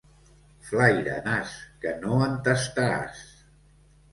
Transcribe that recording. Flaira, nas, que no en tastaràs.